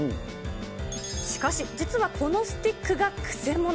しかし、実はこのスティックがくせもの。